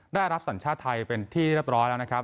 ได้รับสัญชาติไทยเป็นที่เรียบร้อยแล้วนะครับ